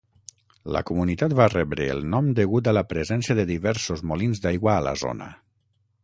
La comunitat va rebre el nom degut a la presència de diversos molins d'aigua a la zona.